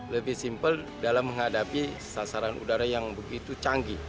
lebih simpel dalam menghadapi sasaran udara yang begitu canggih